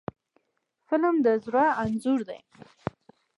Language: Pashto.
فلم د زړه انځور دی